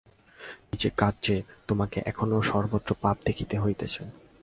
নিজে কাঁদ যে, তোমাকে এখনও সর্বত্র পাপ দেখিতে হইতেছে।